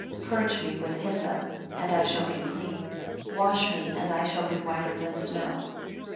30 Purge me with hyssop, and I shall be clean: wash me, and I shall be whiter than snow.